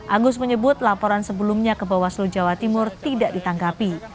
agus menyebut laporan sebelumnya ke bawaslu jawa timur tidak ditanggapi